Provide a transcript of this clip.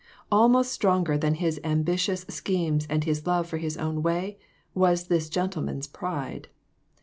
Almost stronger than his ambitious schemes and his love for his own way, was this gentle man's pride.